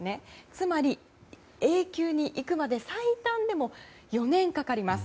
つまり、Ａ級に行くまで最短でも４年かかります。